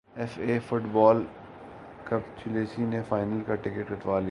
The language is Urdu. ایف اے فٹبال کپچیلسی نے فائنل کا ٹکٹ کٹوا لیا